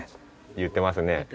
言ってますね。